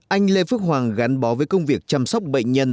anh lê phước hoàng gắn bó với công việc chăm sóc bệnh nhân